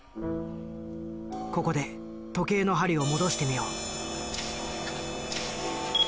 ここで時計の針を戻してみよう。